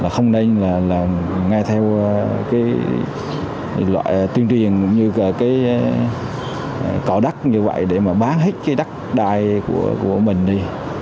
không nên là ngay theo loại tuyên truyền cũng như cỏ đắc như vậy để mà bán hết cái đắc đai của mình đi